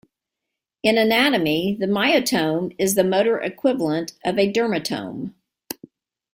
In anatomy the myotome is the motor equivalent of a dermatome.